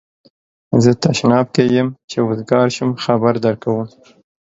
زه تشناب کی یم چی اوزګار شم خبر درکوم